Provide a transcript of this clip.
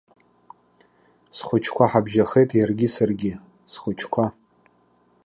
Схәыҷқәа ҳабжьахеит иаргьы саргьы, схәыҷқәа.